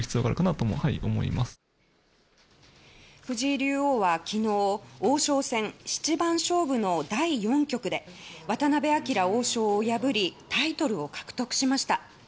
藤井竜王は昨日王将戦七番勝負の第４局で渡辺明王将を破りタイトルを獲得しました。